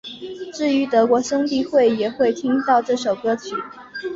至于德国兄弟会也会听到这首歌曲。